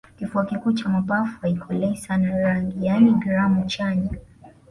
kifua kikuu cha mapafu haikolei sana rangi yaani gramu chanya